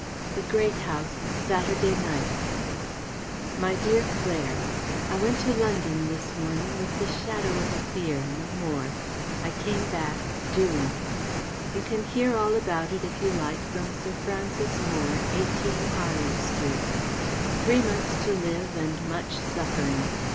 The Great House, Saturday night. MY DEAR CLAIRE, I went to London this morning with the shadow of a fear no more. I come back doomed. You can hear all about it, if you like, from Sir Francis Moore, 18 Harley Street. Three months to live and much suffering!